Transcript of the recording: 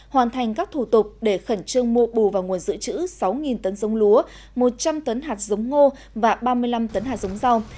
hoàn thành các thủ tục để khẩn trương mua bù vào nguồn giữ chữ sáu tấn giống lúa một trăm linh tấn hạt giống ngô và ba mươi năm tấn hạt giống rau